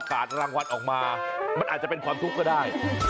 ก็ต้องเกิดขึ้นได้